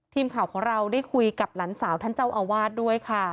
ทีมข่าวของเราได้คุยกับหลานสาวท่านเจ้าอาวาสด้วยค่ะ